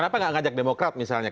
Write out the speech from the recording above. kenapa gak ngajak demokrat misalnya